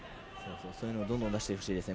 そういうのを出してほしいですね。